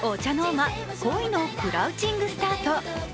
「恋のクラウチングスタート」。